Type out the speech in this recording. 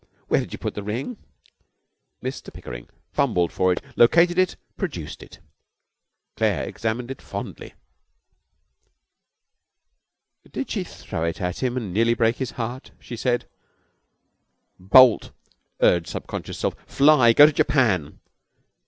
Where did you put the ring?' Mr Pickering fumbled for it, located it, produced it. Claire examined it fondly. 'Did she throw it at him and nearly break his heart!' she said. 'Bolt!' urged Subconscious Self. 'Fly! Go to Japan!'